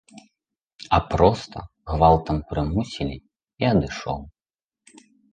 А проста, гвалтам прымусілі, і адышоў.